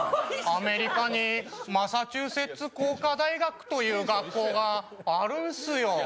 アメリカにマサチューセッツ工科大学という学校があるんですよ。